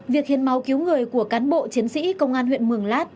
việc hiến máu cứu người của cán bộ chiến sĩ công an huyện mường lát